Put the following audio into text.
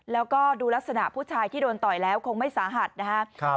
แล้วก็ดูลักษณะผู้ชายที่โดนต่อยแล้วคงไม่สาหัสนะครับ